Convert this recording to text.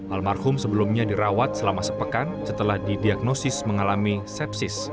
almarhum sebelumnya dirawat selama sepekan setelah didiagnosis mengalami sepsis